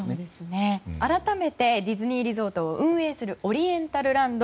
改めてディズニーリゾートを運営するオリエンタルランド。